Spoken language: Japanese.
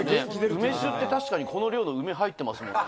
梅酒って、確かにこの量の梅入ってますもんね。